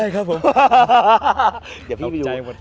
ไม่ได้ครับผม